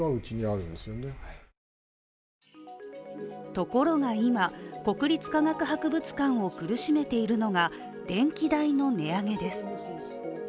ところが今、国立科学博物館を苦しめているのが、電気代の値上げです。